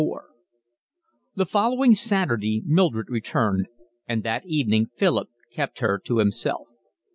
LXXIV The following Saturday Mildred returned, and that evening Philip kept her to himself.